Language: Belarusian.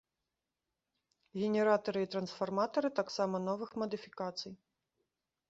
Генератары і трансфарматары таксама новых мадыфікацый.